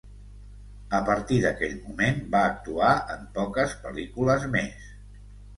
A partir d’aquell moment va actuar en poques pel·lícules més.